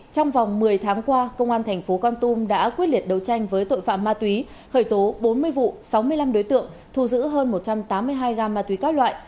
trong vòng một mươi tháng qua công an thành phố con tum đã quyết liệt đấu tranh với tội phạm ma túy khởi tố bốn mươi vụ sáu mươi năm đối tượng thu giữ hơn một trăm tám mươi hai gam ma túy các loại